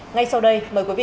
ngay sau đây mời quý vị